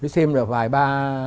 xem là vài ba